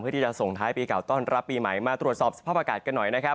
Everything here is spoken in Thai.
ที่จะส่งท้ายปีเก่าต้อนรับปีใหม่มาตรวจสอบสภาพอากาศกันหน่อยนะครับ